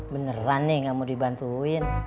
beneran nih gak mau dibantuin